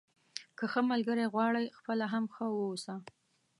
که ښه ملګری غواړئ خپله هم ښه واوسه.